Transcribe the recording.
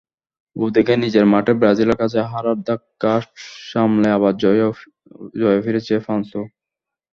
ওদিকে নিজের মাঠে ব্রাজিলের কাছে হারের ধাক্কা সামলে আবার জয়ে ফিরেছে ফ্রান্সও।